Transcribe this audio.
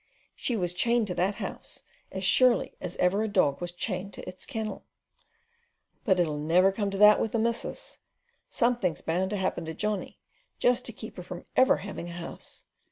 She was chained to that house as surely as ever a dog was chained to its kennel. But it'll never come to that with the missus. Something's bound to happen to Johnny, just to keep her from ever having a house.